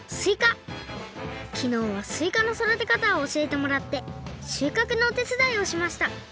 きのうはすいかのそだてかたをおしえてもらってしゅうかくのおてつだいをしました。